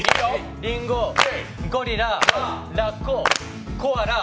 りんご、ゴリラ、ラッコ、コアラ。